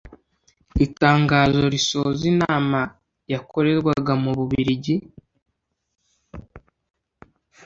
Itangazo risoza inama yakorerwaga mu Bubiligi